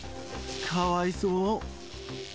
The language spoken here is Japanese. かわいそう。